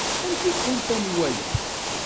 Amek i tḥulfam i waya?